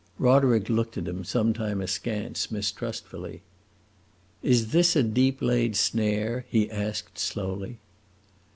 Roderick looked at him some time askance, mistrustfully. "Is this a deep laid snare?" he asked slowly.